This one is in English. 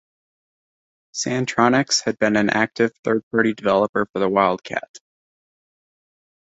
Santronics had been an active third-party developer for the Wildcat!